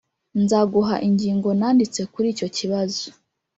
nzaguha ingingo nanditse kuri icyo kibazo